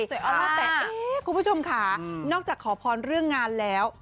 แต่เอ๊ะคุณผู้ชมค่ะนอกจากขอพรเรื่องงานแล้ว